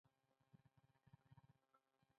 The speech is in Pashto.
دې قبیلې په کال نولس سوه پېنځه دېرش کې.